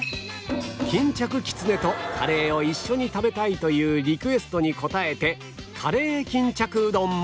巾着きつねとカレーを一緒に食べたいというリクエストに応えてカレー巾着うどんも